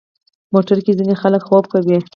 موټر کې ځینې خلک خوب کوي.